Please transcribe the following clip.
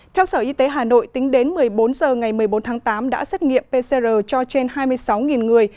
theo sở y tế hà nội tính đến một mươi bốn h ngày một mươi bốn tháng tám đã xét nghiệm pcr cho trên hai mươi sáu người